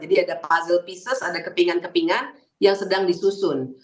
jadi ada puzzle pieces ada kepingan kepingan yang sedang disusun